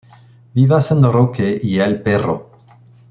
Viva San Roque y el Perro!!